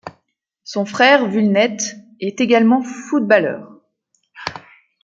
Son frère Vullnet est également footballeur.